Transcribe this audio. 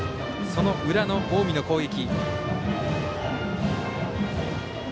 その裏の近江の攻撃。